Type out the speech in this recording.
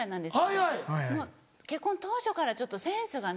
もう結婚当初からちょっとセンスがね